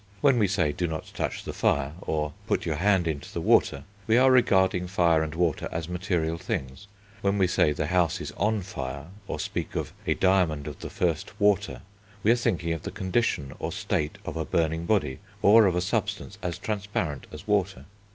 When we say "do not touch the fire," or "put your hand into the water," we are regarding fire and water as material things; when we say "the house is on fire," or speak of "a diamond of the first water," we are thinking of the condition or state of a burning body, or of a substance as transparent as water.